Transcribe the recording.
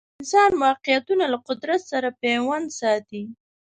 انسان واقعیتونه له قدرت سره پیوند ساتي